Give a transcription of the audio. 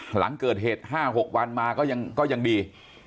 หลังเกิดเหตุ๕๖วันมาก็ยังดี